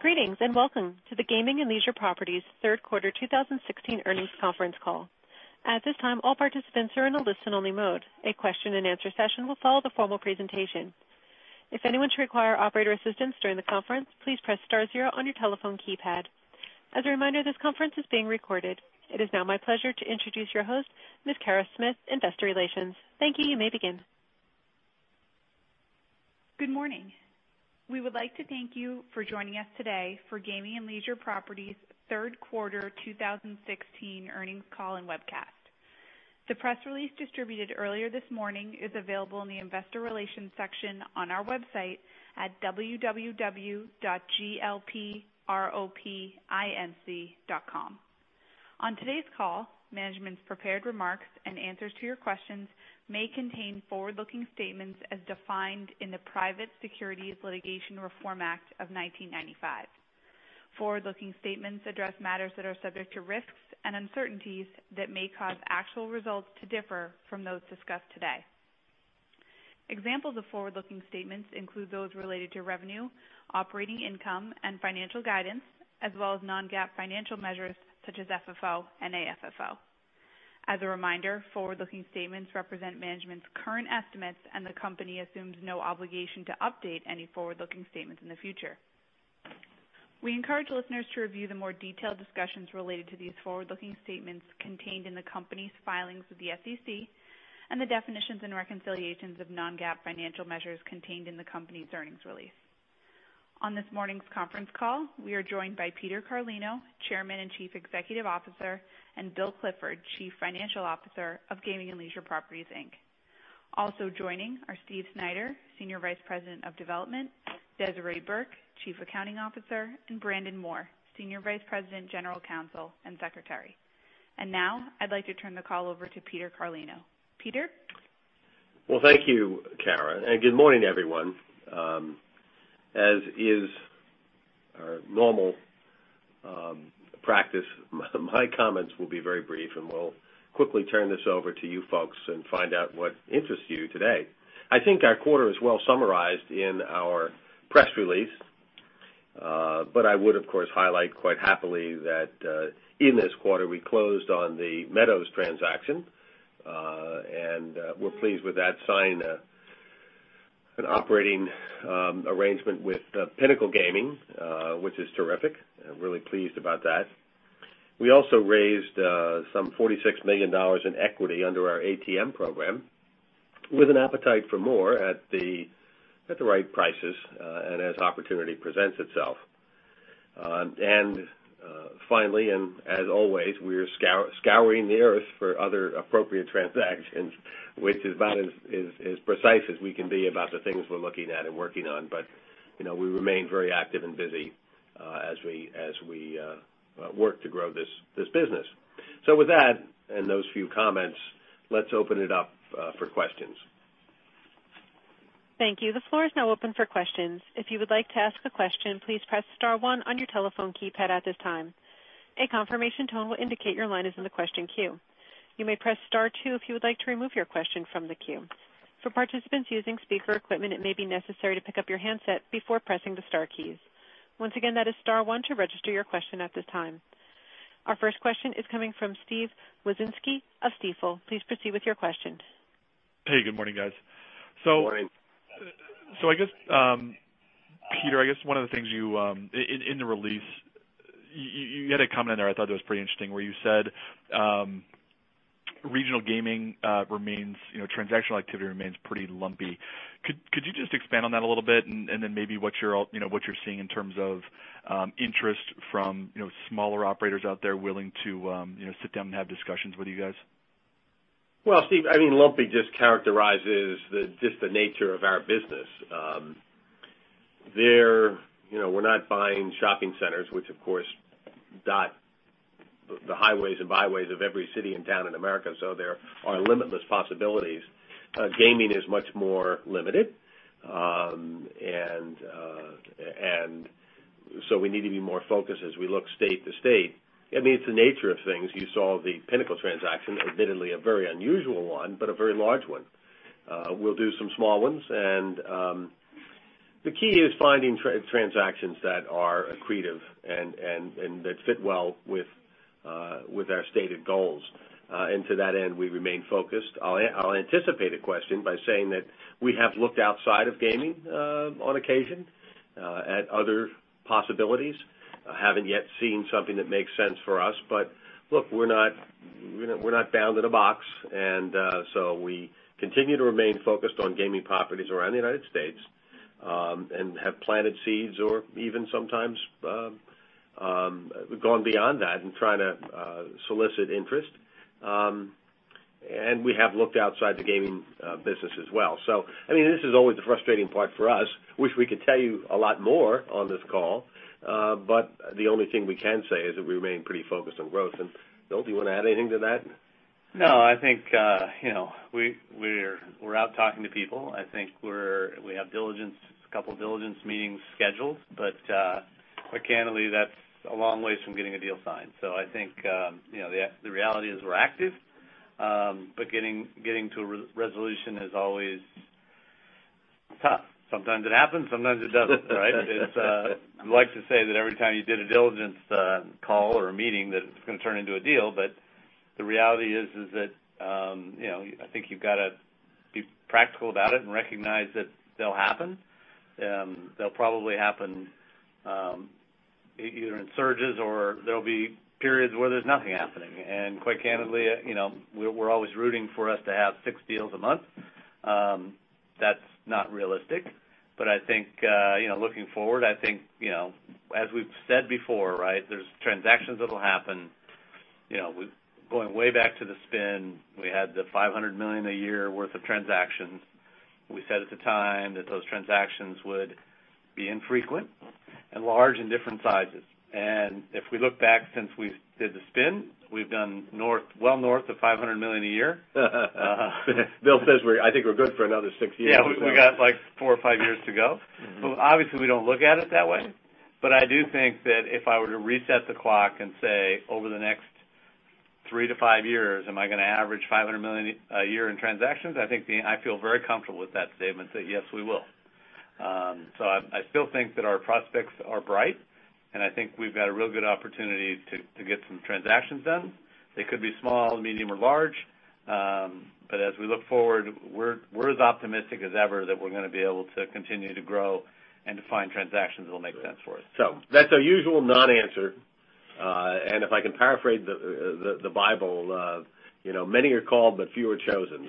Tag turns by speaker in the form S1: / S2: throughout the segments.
S1: Greetings, and welcome to the Gaming and Leisure Properties third quarter 2016 earnings conference call. At this time, all participants are in a listen-only mode. A question-and-answer session will follow the formal presentation. If anyone should require operator assistance during the conference, please press star zero on your telephone keypad. As a reminder, this conference is being recorded. It is now my pleasure to introduce your host, Ms. Kara Smith, Investor Relations. Thank you. You may begin.
S2: Good morning. We would like to thank you for joining us today for Gaming and Leisure Properties third quarter 2016 earnings call and webcast. The press release distributed earlier this morning is available in the Investor Relations section on our website at www.glpropinc.com. On today's call, management's prepared remarks and answers to your questions may contain forward-looking statements as defined in the Private Securities Litigation Reform Act of 1995. Forward-looking statements address matters that are subject to risks and uncertainties that may cause actual results to differ from those discussed today. Examples of forward-looking statements include those related to revenue, operating income and financial guidance, as well as non-GAAP financial measures such as FFO and AFFO. As a reminder, forward-looking statements represent management's current estimates, and the company assumes no obligation to update any forward-looking statements in the future. We encourage listeners to review the more detailed discussions related to these forward-looking statements contained in the company's filings with the SEC and the definitions and reconciliations of non-GAAP financial measures contained in the company's earnings release. On this morning's conference call, we are joined by Peter Carlino, Chairman and Chief Executive Officer, and Bill Clifford, Chief Financial Officer of Gaming and Leisure Properties, Inc. Also joining are Steve Snyder, Senior Vice President of Development, Desiree Burke, Chief Accounting Officer, and Brandon Moore, Senior Vice President, General Counsel and Secretary. Now I'd like to turn the call over to Peter Carlino. Peter?
S3: Thank you, Kara, and good morning, everyone. As is our normal practice, my comments will be very brief, and we'll quickly turn this over to you folks and find out what interests you today. I think our quarter is well summarized in our press release. I would, of course, highlight quite happily that in this quarter, we closed on the Meadows transaction. We're pleased with that sign, an operating arrangement with Pinnacle Entertainment, which is terrific. I'm really pleased about that. We also raised some $46 million in equity under our ATM program with an appetite for more at the right prices and as opportunity presents itself. Finally, and as always, we are scouring the earth for other appropriate transactions, which is about as precise as we can be about the things we're looking at and working on. We remain very active and busy as we work to grow this business. With that and those few comments, let's open it up for questions.
S1: Thank you. The floor is now open for questions. If you would like to ask a question, please press star one on your telephone keypad at this time. A confirmation tone will indicate your line is in the question queue. You may press star two if you would like to remove your question from the queue. For participants using speaker equipment, it may be necessary to pick up your handset before pressing the star keys. Once again, that is star one to register your question at this time. Our first question is coming from Steve Wieczynski of Stifel. Please proceed with your question.
S4: Hey, good morning, guys.
S3: Morning.
S4: Peter, I guess one of the things in the release, you had a comment in there I thought that was pretty interesting, where you said regional gaming transactional activity remains pretty lumpy. Could you just expand on that a little bit and then maybe what you're seeing in terms of interest from smaller operators out there willing to sit down and have discussions with you guys?
S3: Well, Steve, lumpy just characterizes the nature of our business. We're not buying shopping centers, which of course dot the highways and byways of every city and town in America, there are limitless possibilities. Gaming is much more limited. We need to be more focused as we look state to state. It's the nature of things. You saw the Pinnacle transaction, admittedly a very unusual one, but a very large one. We'll do some small ones, and the key is finding transactions that are accretive and that fit well with our stated goals. To that end, we remain focused. I'll anticipate a question by saying that we have looked outside of gaming on occasion at other possibilities. Haven't yet seen something that makes sense for us. Look, we're not bound in a box, we continue to remain focused on gaming properties around the United States and have planted seeds or even sometimes gone beyond that in trying to solicit interest. We have looked outside the gaming business as well. This is always the frustrating part for us. Wish we could tell you a lot more on this call. The only thing we can say is that we remain pretty focused on growth. Bill, do you want to add anything to that?
S5: No, I think we're out talking to people. I think we have a couple of diligence meetings scheduled, candidly, that's a long ways from getting a deal signed. I think the reality is we're active, getting to a resolution is always tough. Sometimes it happens, sometimes it doesn't, right? You like to say that every time you did a diligence call or a meeting that it's going to turn into a deal, the reality is that I think you've got to be practical about it and recognize that they'll happen. They'll probably happen either in surges or there'll be periods where there's nothing happening. Quite candidly, we're always rooting for us to have six deals a month. That's not realistic. I think, looking forward, I think, as we've said before, right, there's transactions that'll happen. Going way back to the spin, we had the $500 million a year worth of transactions. We said at the time that those transactions would be infrequent and large in different sizes. If we look back since we did the spin, we've done well north of $500 million a year.
S3: Bill says, "I think we're good for another six years.
S5: Yeah. We got like four or five years to go. Obviously, we don't look at it that way, but I do think that if I were to reset the clock and say over the next three to five years am I going to average $500 million a year in transactions, I feel very comfortable with that statement that yes, we will. I still think that our prospects are bright, and I think we've got a real good opportunity to get some transactions done. They could be small, medium, or large. As we look forward, we're as optimistic as ever that we're going to be able to continue to grow and to find transactions that'll make sense for us.
S3: That's our usual non-answer. If I can paraphrase the Bible, many are called, but few are chosen.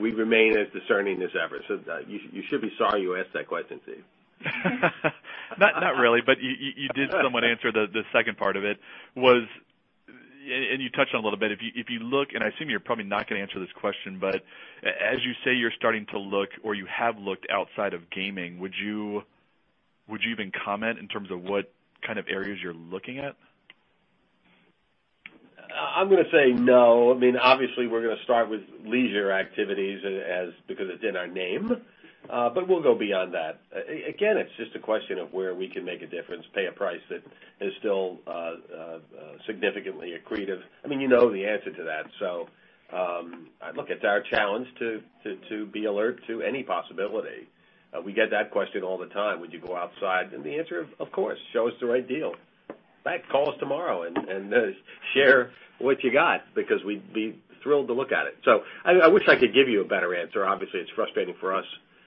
S3: We remain as discerning as ever. You should be sorry you asked that question, Steve.
S4: Not really. You did somewhat answer the second part of it was, you touched on it a little bit. I assume you're probably not going to answer this question, as you say you're starting to look or you have looked outside of gaming, would you even comment in terms of what kind of areas you're looking at?
S3: I'm going to say no. Obviously, we're going to start with leisure activities because it's in our name. We'll go beyond that. Again, it's just a question of where we can make a difference, pay a price that is still significantly accretive. You know the answer to that. Look, it's our challenge to be alert to any possibility. We get that question all the time, would you go outside? The answer, of course. Show us the right deal. In fact, call us tomorrow and share what you got because we'd be thrilled to look at it. I wish I could give you a better answer. Obviously, it's frustrating for us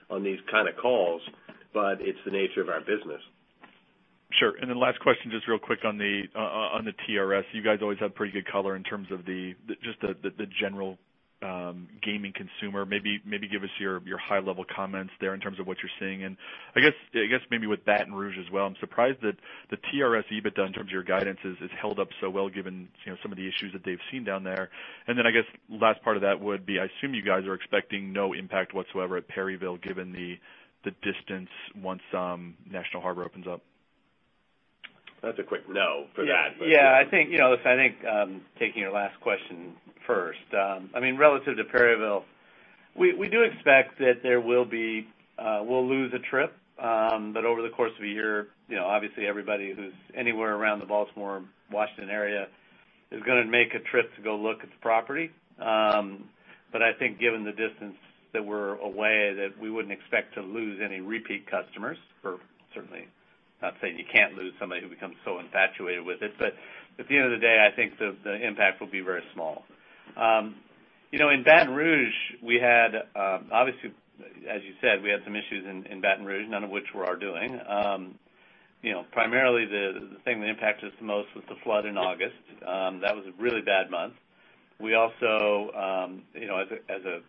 S3: on these kind of calls, but it's the nature of our business.
S4: Sure. Last question, just real quick on the TRS. You guys always have pretty good color in terms of just the general gaming consumer. Maybe give us your high-level comments there in terms of what you're seeing. I guess maybe with Baton Rouge as well. I'm surprised that the TRS EBITDA, in terms of your guidance, has held up so well given some of the issues that they've seen down there. I guess last part of that would be, I assume you guys are expecting no impact whatsoever at Perryville given the distance once National Harbor opens up.
S3: That's a quick no for that.
S5: Yeah. I think, taking your last question first. Relative to Perryville, we do expect that we'll lose a trip. Over the course of a year, obviously everybody who's anywhere around the Baltimore-Washington area is going to make a trip to go look at the property. I think given the distance that we're away, that we wouldn't expect to lose any repeat customers or certainly not saying you can't lose somebody who becomes so infatuated with it. At the end of the day, I think the impact will be very small. In Baton Rouge, obviously, as you said, we had some issues in Baton Rouge, none of which were our doing. Primarily the thing that impacted us the most was the flood in August. That was a really bad month. We also, as a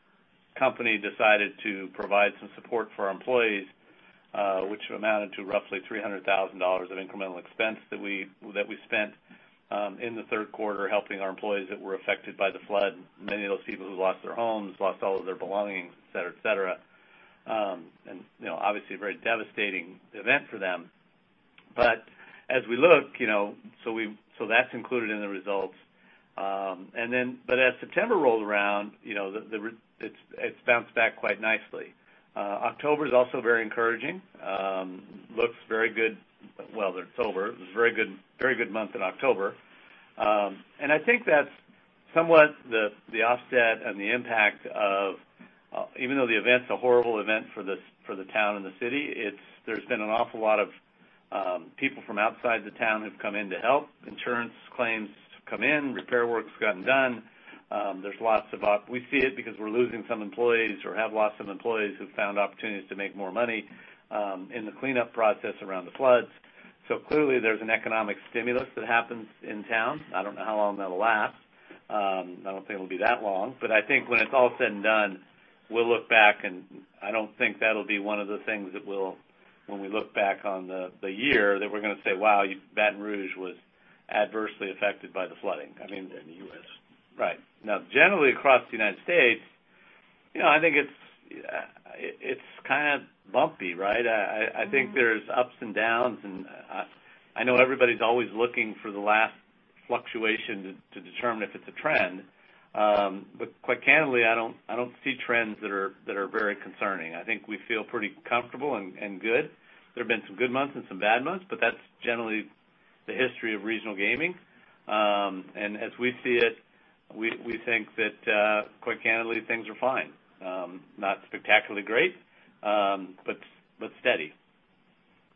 S5: company, decided to provide some support for our employees, which amounted to roughly $300,000 of incremental expense that we spent in the third quarter helping our employees that were affected by the flood. Many of those people who lost their homes, lost all of their belongings, et cetera. Obviously a very devastating event for them. As we look, so that's included in the results. As September rolled around, it's bounced back quite nicely. October is also very encouraging. Looks very good. Well, they're October. It was a very good month in October. I think that's somewhat the offset and the impact of, even though the event's a horrible event for the town and the city, there's been an awful lot of people from outside the town who've come in to help. Insurance claims come in, repair work's gotten done. We see it because we're losing some employees or have lost some employees who've found opportunities to make more money in the cleanup process around the floods. Clearly, there's an economic stimulus that happens in town. I don't know how long that'll last. I don't think it'll be that long. I think when it's all said and done, we'll look back and I don't think that'll be one of the things when we look back on the year that we're going to say, "Wow, Baton Rouge was adversely affected by the flooding.
S3: In the U.S.
S5: Right. Now, generally across the United States, I think it's kind of bumpy, right? I think there's ups and downs. I know everybody's always looking for the last fluctuation to determine if it's a trend. Quite candidly, I don't see trends that are very concerning. I think we feel pretty comfortable and good. There have been some good months and some bad months. That's generally the history of regional gaming. As we see it, we think that, quite candidly, things are fine. Not spectacularly great, but steady.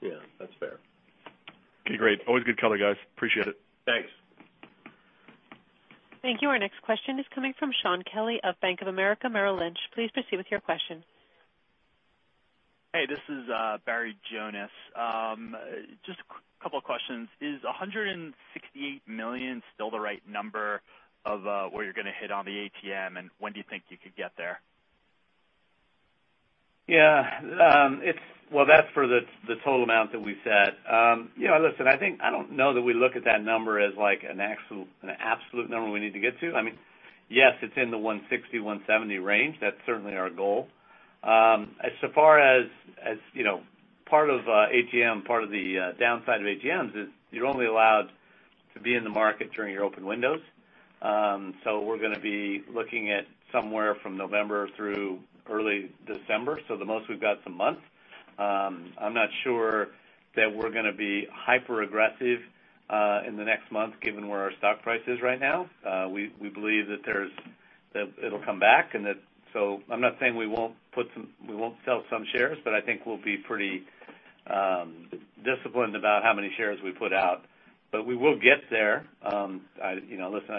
S6: Yeah. That's fair.
S4: Okay, great. Always good color, guys. Appreciate it.
S5: Thanks.
S1: Thank you. Our next question is coming from Shaun Kelley of Bank of America Merrill Lynch. Please proceed with your question.
S6: Hey, this is Barry Jonas. Just a couple of questions. Is $168 million still the right number of where you're going to hit on the ATM, and when do you think you could get there?
S5: Yeah. Well, that's for the total amount that we said. Listen, I don't know that we look at that number as an absolute number we need to get to. Yes, it's in the 160, 170 range. That's certainly our goal. So far as part of the downside of ATMs is you're only allowed to be in the market during your open windows. We're going to be looking at somewhere from November through early December. The most we've got is a month. I'm not sure that we're going to be hyper-aggressive in the next month given where our stock price is right now. We believe that it'll come back. I'm not saying we won't sell some shares, but I think we'll be pretty disciplined about how many shares we put out. We will get there. Listen, I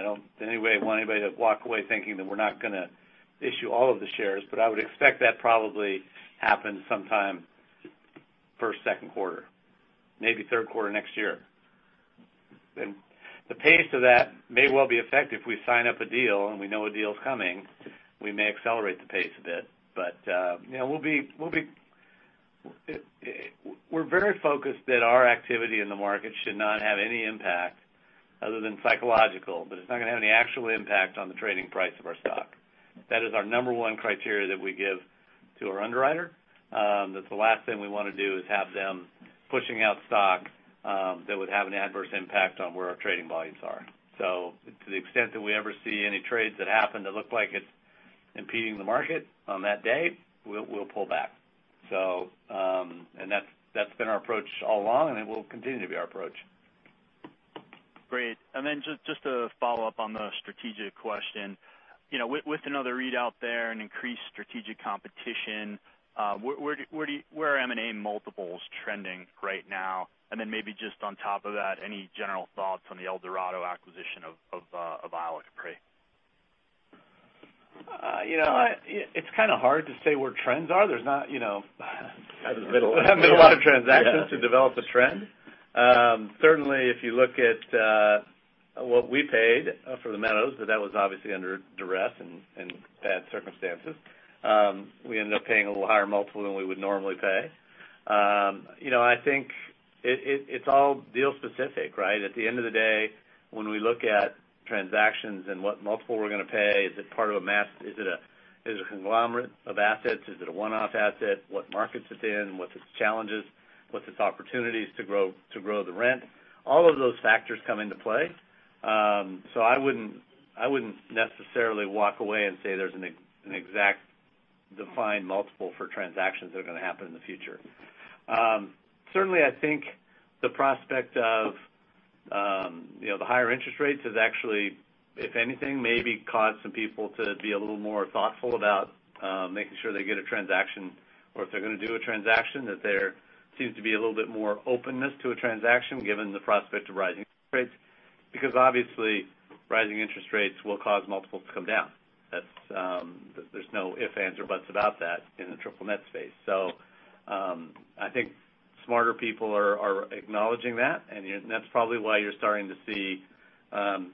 S5: don't in any way want anybody to walk away thinking that we're not going to issue all of the shares, but I would expect that probably happen sometime first, second quarter, maybe third quarter next year. The pace of that may well be affected if we sign up a deal and we know a deal's coming, we may accelerate the pace a bit. We're very focused that our activity in the market should not have any impact other than psychological, but it's not going to have any actual impact on the trading price of our stock. That is our number one criteria that we give to our underwriter. That's the last thing we want to do is have them pushing out stock that would have an adverse impact on where our trading volumes are. To the extent that we ever see any trades that happen that look like it's impeding the market on that day, we'll pull back. That's been our approach all along, and it will continue to be our approach.
S6: Great. Just to follow up on the strategic question. With another readout there and increased strategic competition, where are M&A multiples trending right now? Maybe just on top of that, any general thoughts on the Eldorado acquisition of Isle of Capri?
S5: It's kind of hard to say where trends are. There's not.
S6: Haven't been a lot of transactions
S5: Haven't been a lot of transactions to develop a trend. Certainly, if you look at what we paid for the Meadows, that was obviously under duress and bad circumstances. We ended up paying a little higher multiple than we would normally pay. I think it's all deal specific, right? At the end of the day, when we look at transactions and what multiple we're going to pay, is it a conglomerate of assets? Is it a one-off asset? What markets it's in, what's its challenges, what's its opportunities to grow the rent? All of those factors come into play. I wouldn't necessarily walk away and say there's an exact defined multiple for transactions that are going to happen in the future. I think the prospect of the higher interest rates has actually, if anything, maybe caused some people to be a little more thoughtful about making sure they get a transaction, or if they're going to do a transaction, that there seems to be a little bit more openness to a transaction given the prospect of rising interest rates. Because obviously, rising interest rates will cause multiples to come down. There's no if, ands, or buts about that in the triple net space. I think smarter people are acknowledging that, and that's probably why you're starting to see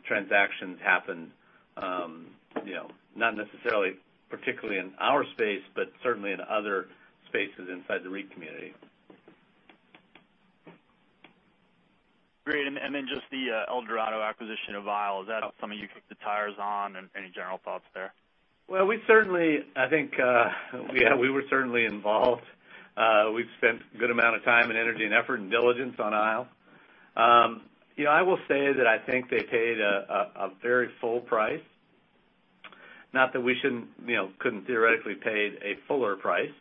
S5: transactions happen, not necessarily particularly in our space, but certainly in other spaces inside the REIT community.
S6: Great. Just the Eldorado acquisition of Isle. Is that something you kicked the tires on, and any general thoughts there?
S5: Well, we were certainly involved. We've spent a good amount of time and energy and effort and diligence on Isle. I will say that I think they paid a very full price. Not that we couldn't theoretically paid a fuller price.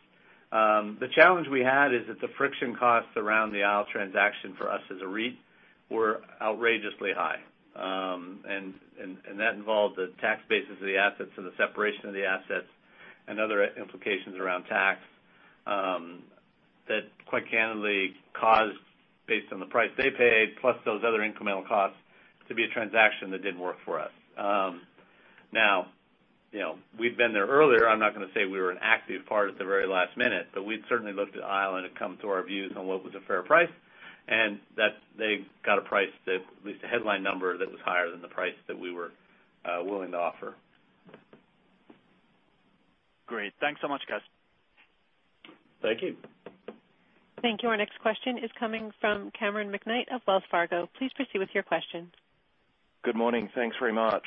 S5: The challenge we had is that the friction costs around the Isle transaction for us as a REIT were outrageously high. That involved the tax basis of the assets and the separation of the assets and other implications around tax that quite candidly caused, based on the price they paid, plus those other incremental costs, to be a transaction that didn't work for us. We'd been there earlier. I'm not going to say we were an active part at the very last minute, we'd certainly looked at Isle and had come to our views on what was a fair price, they got a price that, at least a headline number that was higher than the price that we were willing to offer.
S6: Great. Thanks so much, guys.
S5: Thank you.
S1: Thank you. Our next question is coming from Cameron McKnight of Wells Fargo. Please proceed with your question.
S7: Good morning. Thanks very much.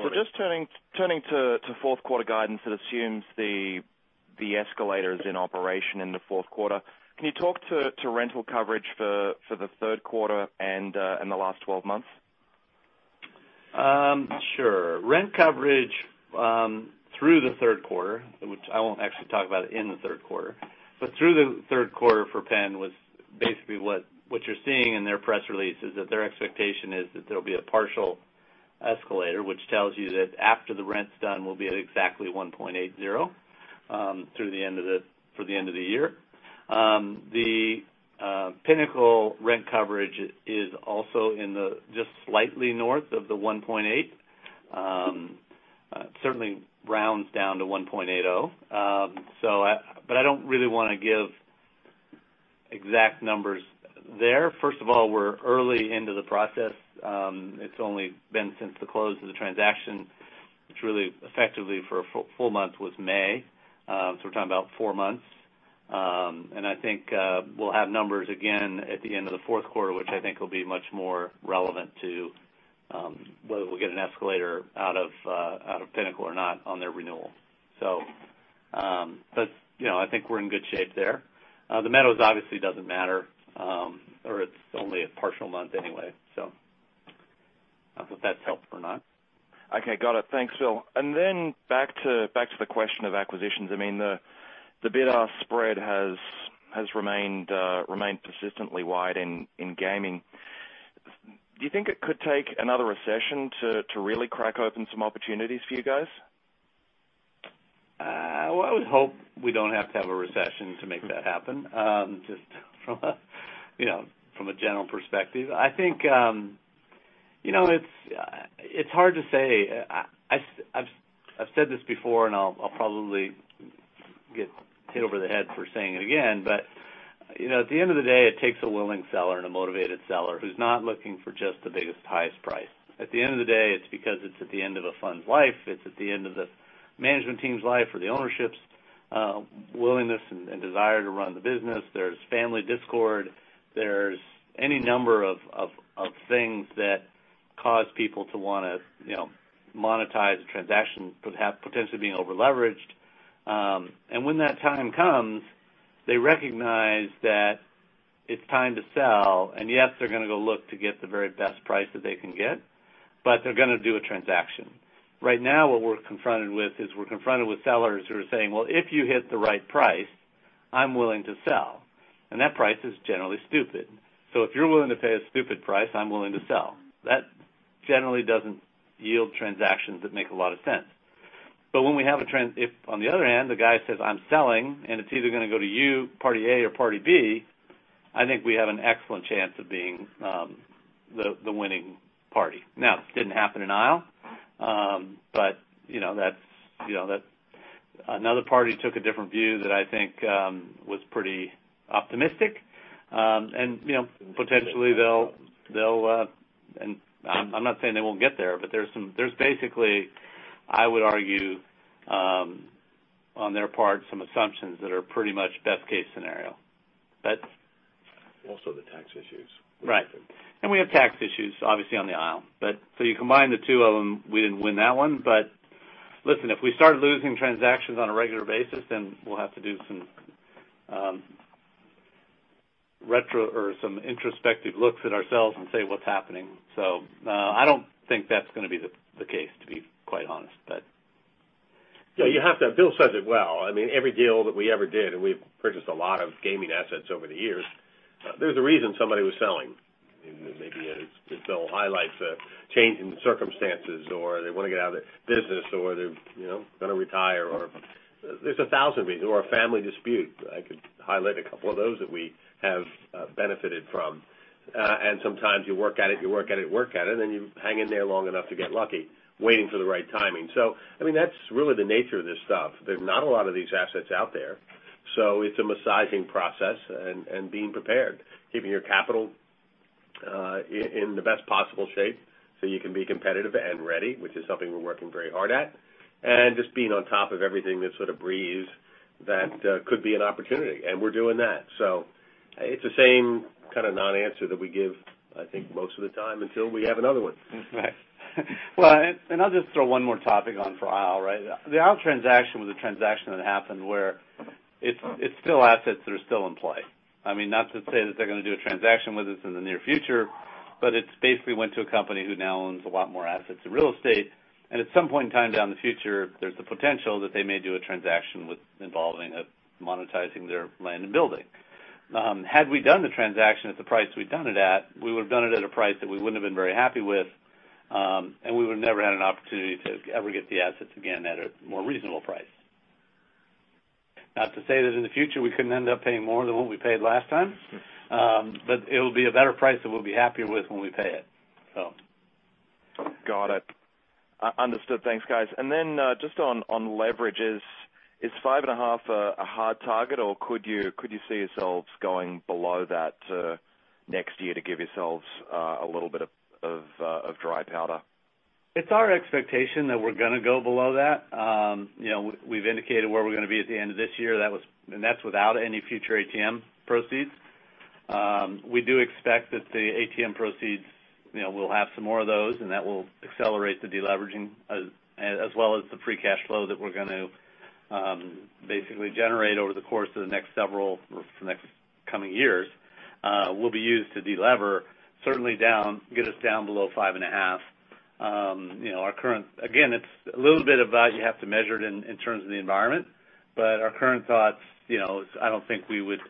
S5: Morning.
S7: Just turning to fourth quarter guidance that assumes the escalator is in operation in the fourth quarter. Can you talk to rental coverage for the third quarter and the last 12 months?
S5: Sure. Rent coverage through the third quarter, which I won't actually talk about in the third quarter, but through the third quarter for Penn was basically what you're seeing in their press release, is that their expectation is that there'll be a partial escalator, which tells you that after the rent's done, we'll be at exactly 1.80 through the end of the year. The Pinnacle rent coverage is also just slightly north of the 1.8. Certainly rounds down to 1.80. I don't really want to give exact numbers there. First of all, we're early into the process. It's only been since the close of the transaction, which really effectively for a full month was May. We're talking about 4 months. I think we'll have numbers again at the end of the fourth quarter, which I think will be much more relevant to whether we'll get an escalator out of Pinnacle or not on their renewal. I think we're in good shape there. The Meadows obviously doesn't matter, or it's only a partial month anyway. I don't know if that's helped or not.
S7: Okay, got it. Thanks, Bill. Back to the question of acquisitions. The bid-ask spread has remained persistently wide in gaming. Do you think it could take another recession to really crack open some opportunities for you guys?
S5: Well, I would hope we don't have to have a recession to make that happen. Just from a general perspective. I think it's hard to say. I've said this before, and I'll probably get hit over the head for saying it again, but at the end of the day, it takes a willing seller and a motivated seller who's not looking for just the biggest, highest price. At the end of the day, it's because it's at the end of a fund's life, it's at the end of the management team's life or the ownership's willingness and desire to run the business. There's family discord. There's any number of things that cause people to want to monetize a transaction, potentially being over-leveraged. When that time comes, they recognize that it's time to sell. Yes, they're going to go look to get the very best price that they can get, but they're going to do a transaction. Right now, what we're confronted with is we're confronted with sellers who are saying, "Well, if you hit the right price, I'm willing to sell." That price is generally stupid. If you're willing to pay a stupid price, I'm willing to sell. That generally doesn't yield transactions that make a lot of sense. If, on the other hand, the guy says, "I'm selling, and it's either going to go to you, party A or party B," I think we have an excellent chance of being the winning party. Now, it didn't happen in Isle. Another party took a different view that I think was pretty optimistic. Potentially, I'm not saying they won't get there, but there's basically, I would argue, on their part, some assumptions that are pretty much best-case scenario.
S3: Also the tax issues.
S5: Right. We have tax issues, obviously, on the Isle. You combine the two of them, we didn't win that one. Listen, if we start losing transactions on a regular basis, then we'll have to do some introspective looks at ourselves and say what's happening. I don't think that's going to be the case, to be quite honest.
S3: Yeah, you have to. Bill says it well. Every deal that we ever did, we've purchased a lot of gaming assets over the years, there's a reason somebody was selling. Maybe it's Bill highlights a change in circumstances, or they want to get out of the business, or they're going to retire, or there's a thousand reasons, or a family dispute. I could highlight a couple of those that we have benefited from. Sometimes you work at it, and then you hang in there long enough to get lucky, waiting for the right timing. That's really the nature of this stuff. There's not a lot of these assets out there. It's a messaging process and being prepared, keeping your capital in the best possible shape so you can be competitive and ready, which is something we're working very hard at. Just being on top of everything that sort of breeze that could be an opportunity. We're doing that. It's the same kind of non-answer that we give, I think, most of the time until we have another one.
S5: Right. Well, I'll just throw one more topic on for Isle, right? The Isle transaction was a transaction that happened where it's still assets that are still in play. Not to say that they're going to do a transaction with us in the near future, but it basically went to a company who now owns a lot more assets in real estate, and at some point in time down the future, there's the potential that they may do a transaction involving monetizing their land and building. Had we done the transaction at the price we'd done it at, we would've done it at a price that we wouldn't have been very happy with, and we would have never had an opportunity to ever get the assets again at a more reasonable price. Not to say that in the future, we couldn't end up paying more than what we paid last time. It'll be a better price that we'll be happier with when we pay it, so.
S7: Got it. Understood. Thanks, guys. Just on leverage. Is 5.5 a hard target, or could you see yourselves going below that next year to give yourselves a little bit of dry powder?
S5: It's our expectation that we're going to go below that. We've indicated where we're going to be at the end of this year. That's without any future ATM proceeds. We do expect that the ATM proceeds, we'll have some more of those, and that will accelerate the de-leveraging as well as the free cash flow that we're going to Basically generate over the course of the next coming years will be used to de-lever, certainly get us down below 5.5. Again, it's a little bit of that you have to measure it in terms of the environment. Our current thoughts, I don't think we would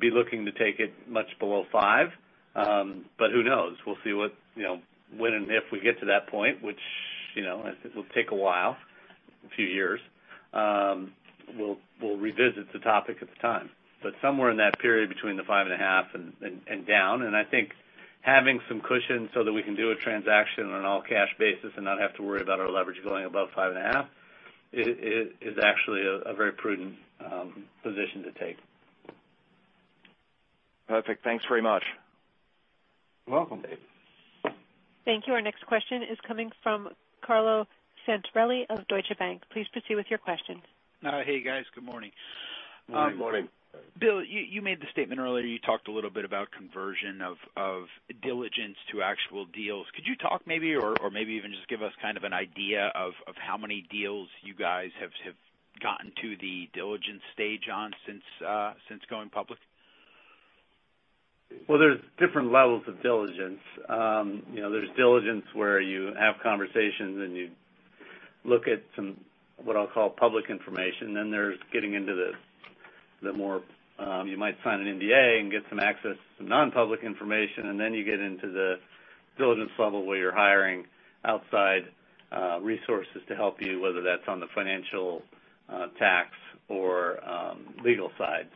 S5: be looking to take it much below five. Who knows? We'll see when and if we get to that point, which this will take a while, a few years. We'll revisit the topic at the time. Somewhere in that period between the 5.5 and down, I think having some cushion so that we can do a transaction on an all-cash basis and not have to worry about our leverage going above 5.5 is actually a very prudent position to take.
S7: Perfect. Thanks very much.
S5: You're welcome.
S1: Thank you. Our next question is coming from Carlo Santarelli of Deutsche Bank. Please proceed with your question.
S8: Hey, guys. Good morning.
S5: Good morning.
S8: Bill, you made the statement earlier, you talked a little bit about conversion of diligence to actual deals. Could you talk maybe, or maybe even just give us kind of an idea of how many deals you guys have gotten to the diligence stage on since going public?
S5: There's different levels of diligence. There's diligence where you have conversations and you look at some, what I'll call public information. There's getting into the more, you might sign an NDA and get some access to some non-public information, and then you get into the diligence level where you're hiring outside resources to help you, whether that's on the financial, tax, or legal side.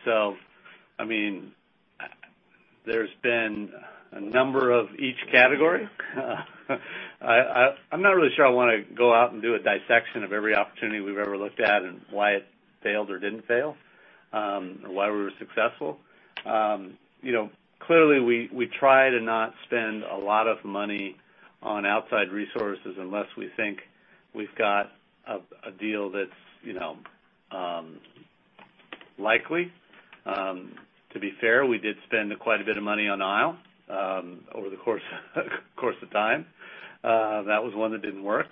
S5: There's been a number of each category. I'm not really sure I want to go out and do a dissection of every opportunity we've ever looked at and why it failed or didn't fail, or why we were successful. Clearly, we try to not spend a lot of money on outside resources unless we think we've got a deal that's likely. To be fair, we did spend quite a bit of money on Isle over the course of time. That was one that didn't work.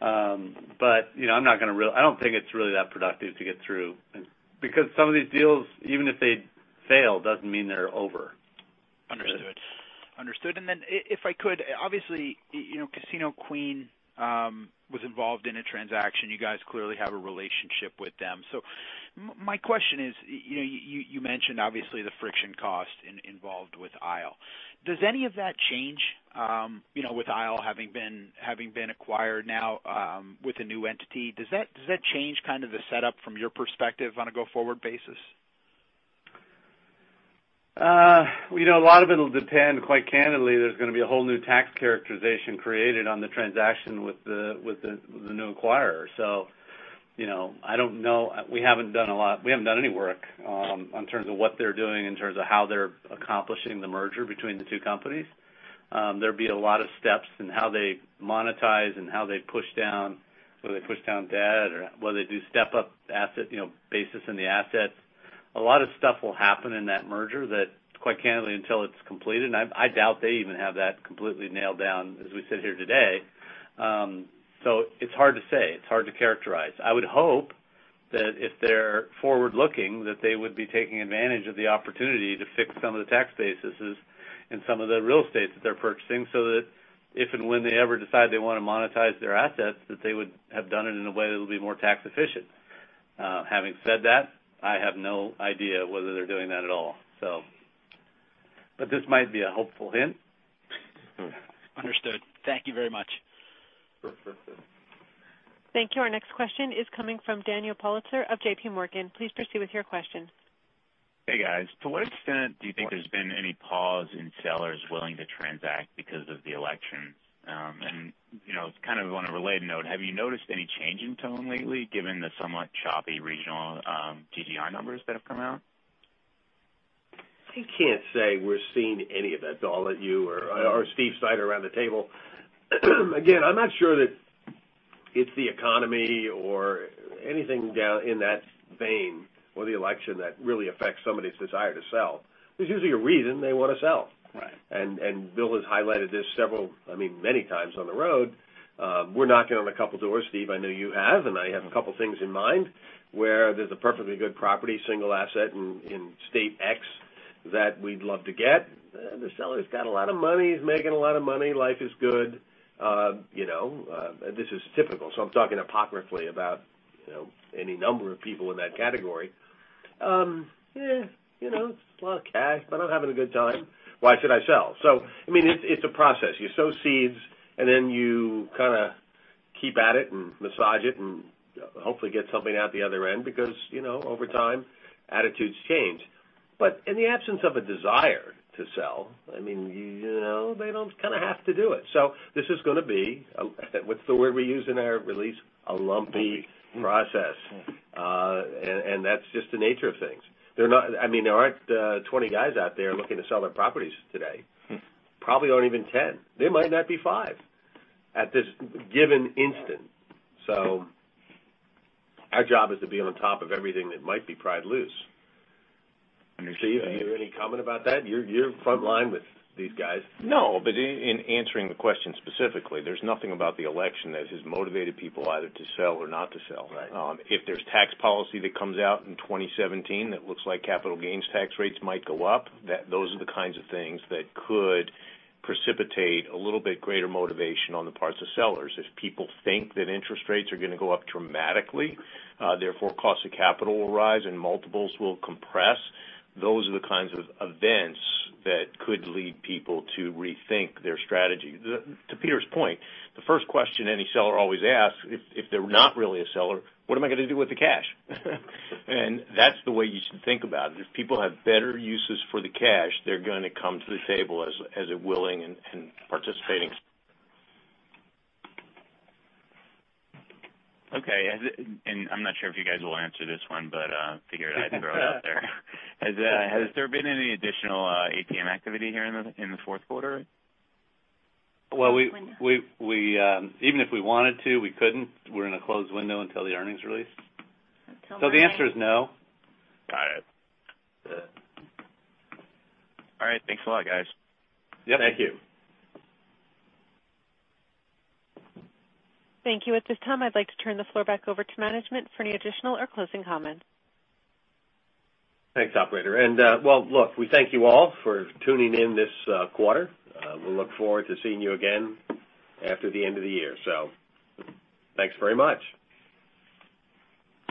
S5: I don't think it's really that productive to get through. Some of these deals, even if they fail, doesn't mean they're over.
S8: Understood. If I could, obviously, Casino Queen was involved in a transaction. You guys clearly have a relationship with them. My question is, you mentioned obviously the friction cost involved with Isle. Does any of that change, with Isle having been acquired now with a new entity, does that change kind of the setup from your perspective on a go-forward basis?
S5: A lot of it'll depend, quite candidly, there's going to be a whole new tax characterization created on the transaction with the new acquirer. I don't know. We haven't done any work in terms of what they're doing, in terms of how they're accomplishing the merger between the two companies. There'd be a lot of steps in how they monetize and how they push down, whether they push down debt or whether they do step-up basis in the assets. A lot of stuff will happen in that merger that, quite candidly, until it's completed, and I doubt they even have that completely nailed down as we sit here today. It's hard to say. It's hard to characterize. I would hope that if they're forward-looking, that they would be taking advantage of the opportunity to fix some of the tax bases in some of the real estate that they're purchasing, so that if and when they ever decide they want to monetize their assets, that they would have done it in a way that'll be more tax efficient. Having said that, I have no idea whether they're doing that at all. This might be a helpful hint.
S8: Understood. Thank you very much.
S1: Thank you. Our next question is coming from Daniel Politzer of JPMorgan. Please proceed with your question.
S9: Hey, guys. To what extent do you think there's been any pause in sellers willing to transact because of the election? Kind of on a related note, have you noticed any change in tone lately, given the somewhat choppy regional GGR numbers that have come out?
S5: I can't say we're seeing any of that, to all of you or Steve Snyder around the table. Again, I'm not sure that it's the economy or anything in that vein or the election that really affects somebody's desire to sell. There's usually a reason they want to sell.
S9: Right.
S3: Bill has highlighted this many times on the road. We're knocking on a couple doors. Steve, I know you have, and I have a couple things in mind where there's a perfectly good property, single asset in state X that we'd love to get. The seller's got a lot of money. He's making a lot of money. Life is good. This is typical, so I'm talking apocryphally about any number of people in that category. Eh, it's a lot of cash, but I'm having a good time. Why should I sell? It's a process. You sow seeds, then you kind of keep at it and massage it and hopefully get something out the other end because, over time, attitudes change. In the absence of a desire to sell, they don't kind of have to do it. This is going to be, what's the word we use in our release, a lumpy process. That's just the nature of things. There aren't 20 guys out there looking to sell their properties today. Probably aren't even 10. There might not be five at this given instant. Our job is to be on top of everything that might be pried loose.
S9: Understood.
S5: Steve, do you have any comment about that? You're frontline with these guys.
S10: In answering the question specifically, there's nothing about the election that has motivated people either to sell or not to sell.
S5: Right.
S10: If there's tax policy that comes out in 2017 that looks like capital gains tax rates might go up, those are the kinds of things that could precipitate a little bit greater motivation on the parts of sellers. If people think that interest rates are going to go up dramatically, therefore cost of capital will rise and multiples will compress. Those are the kinds of events that could lead people to rethink their strategy. To Peter's point, the first question any seller always asks, if they're not really a seller, "What am I going to do with the cash?" That's the way you should think about it. If people have better uses for the cash, they're going to come to the table as a willing and participating.
S9: Okay. I'm not sure if you guys will answer this one, but figured I'd throw it out there. Has there been any additional ATM activity here in the fourth quarter?
S5: Well, even if we wanted to, we couldn't. We're in a closed window until the earnings release. The answer is no.
S9: Got it. All right. Thanks a lot, guys.
S5: Yep.
S10: Thank you.
S1: Thank you. At this time, I'd like to turn the floor back over to management for any additional or closing comments.
S5: Thanks, operator. Well, look, we thank you all for tuning in this quarter. We'll look forward to seeing you again after the end of the year. Thanks very much.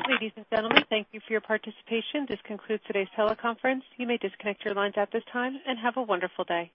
S1: Ladies and gentlemen, thank you for your participation. This concludes today's teleconference. You may disconnect your lines at this time, and have a wonderful day.